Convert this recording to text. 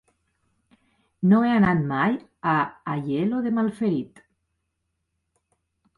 No he anat mai a Aielo de Malferit.